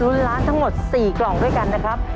ล้านทั้งหมด๔กล่องด้วยกันนะครับ